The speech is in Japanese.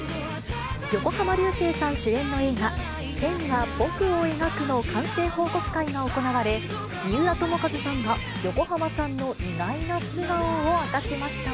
横浜流星さん主演の映画、線は、僕を描くの完成報告会が行われ、三浦友和さんが横浜さんの意外な素顔を明かしました。